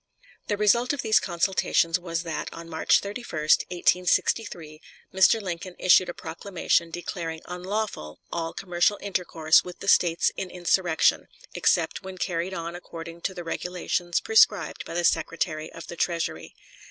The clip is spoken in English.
The result of these consultations was that on March 31, 1863, Mr. Lincoln issued a proclamation declaring unlawful all commercial intercourse with the States in insurrection, except when carried on according to the regulations prescribed by the Secretary of the Treasury.